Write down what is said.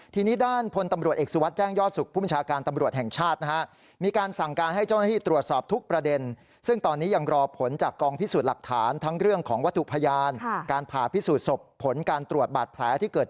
ทีนี้ด้านพลตำรวจเอกสุวัสดิแจ้งยอดสุขผู้บัญชาการตำรวจแห่งชาตินะฮะ